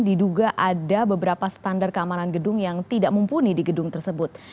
diduga ada beberapa standar keamanan gedung yang tidak mumpuni di gedung tersebut